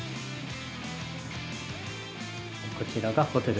こちらがホテル